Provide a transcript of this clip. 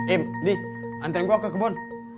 im di antren gua ke kebun